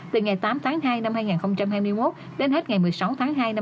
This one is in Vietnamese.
từ ngày tám tháng hai năm hai nghìn hai mươi một đến hết ngày một mươi sáu tháng hai năm hai nghìn hai mươi